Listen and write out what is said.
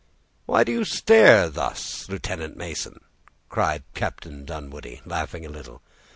"Why do you stare thus, Lieutenant Mason?" cried Captain Dunwoodie, laughing a little.